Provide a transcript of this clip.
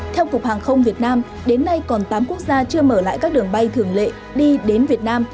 theo cục hàng không việt nam đến nay còn tám quốc gia chưa mở lại các đường bay thường lệ đi đến việt nam